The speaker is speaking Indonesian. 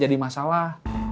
malah jadi masalah